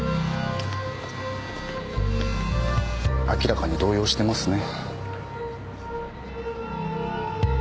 明らかに動揺してますね。